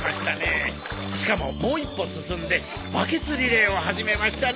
しかももう一歩進んでバケツリレーを始めましたね。